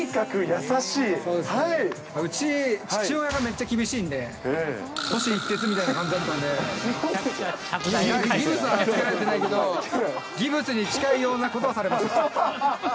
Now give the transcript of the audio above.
うち、父親がめっちゃ厳しいんで、星一徹みたいな感じだったんで、ギブスはつけられてないけど、ギプスに近いようなことはされました。